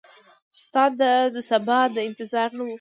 ستا دسبا د انتظار نه وه